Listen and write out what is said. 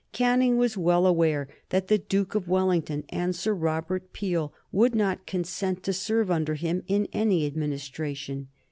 Canning was well aware that the Duke of Wellington and Sir Robert Peel would not consent to serve under him in any Administration.